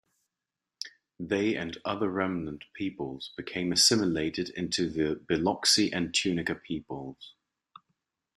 They and other remnant peoples became assimilated into the Biloxi and Tunica peoples.